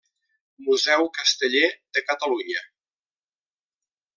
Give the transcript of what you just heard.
Museu Casteller de Catalunya.